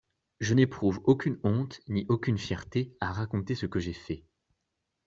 Je n'éprouve aucune honte, ni aucune fierté, à raconter ce que j'ai fait.